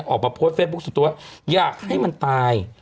ออกมาโพสต์เฟซบุ๊คส่วนตัวอยากให้มันตาย